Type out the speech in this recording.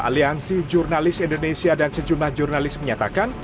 aliansi jurnalis indonesia dan sejumlah jurnalis menyatakan